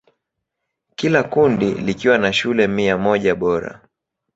Kila kundi likiwa na shule mia moja bora.